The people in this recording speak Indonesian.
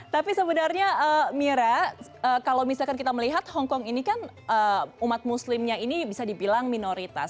tapi sebenarnya mira kalau misalkan kita melihat hongkong ini kan umat muslimnya ini bisa dibilang minoritas